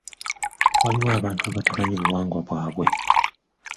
Waliwo abantu abatamanyi buwangwa bwabwe.